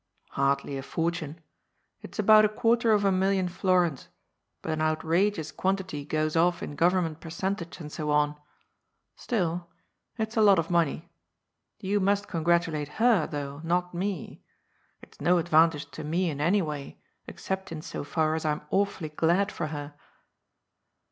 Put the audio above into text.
^' Hardly a fortune. It's about a quarter of a million florins, but an outrageous quantity goes off in Government percentage and so on. Still, it's a lot of money. You must congratulate her, though, not me. It's no advantage to me in any way, except in so far as I'm awfully glad for her."